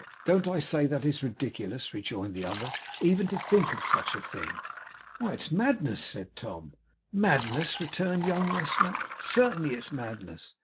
'Don't I say that it's ridiculous,' rejoined the other, 'even to think of such a thing?' 'Why, it's madness,' said Tom. 'Madness!' returned young Westlock. 'Certainly it's madness.